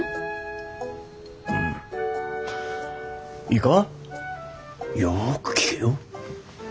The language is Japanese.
いいかよく聞けよ。